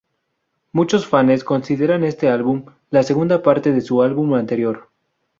Muchos fanes consideran este álbum la segunda parte de su álbum anterior.